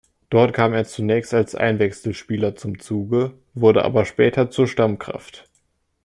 Dort kam er zunächst als Einwechselspieler zum Zuge, wurde aber später zur Stammkraft.